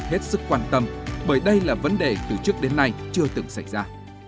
hết sức quan tâm bởi đây là vấn đề từ trước đến nay chưa từng xảy ra